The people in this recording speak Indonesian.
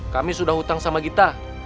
kami sudah hutang sama kita